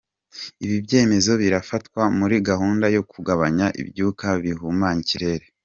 Ibi byemezo birafatwa muri gahunda yo kugabanya ibyuka bihumanya ikirere.